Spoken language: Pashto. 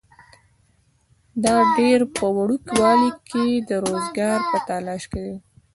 او ډېر پۀ وړوکوالي کښې د روزګار پۀ تالاش کښې